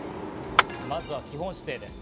まずは基本姿勢です。